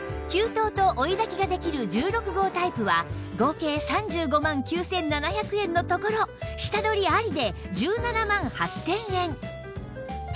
給湯と追い焚きができる１６号タイプは合計３５万９７００円のところ下取りありで１７万８０００円